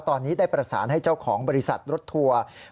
ตอนนี้ได้ประสานให้เจ้าของบริษัทรถทัวร์